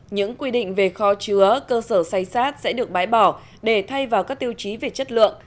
những quy định về kho chứa cơ sở xay sát sẽ được bái bỏ để thay vào các tiêu chí về chất lượng